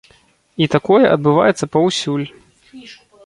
І такое адбываецца паўсюль.